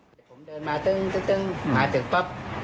แต่ผมเดินมาตึ้งมาถึงปั๊บ